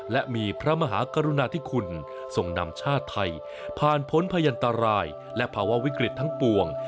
และมีพระมหากรุณาธิคุณส่งนำชาติไทยผ่านพ้นพยันตรายและภาวะวิกฤตทั้งปวง